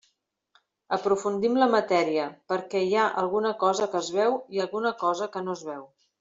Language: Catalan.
Aprofundim la matèria, perquè hi ha alguna cosa que es veu i alguna cosa que no es veu.